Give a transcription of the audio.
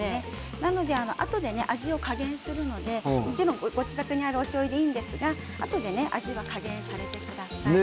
あとで味を加減するのでご自宅にあるおしょうゆでいいんですがあとで味は加減されてください。